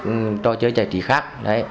mục đích cho chơi chạy trí khác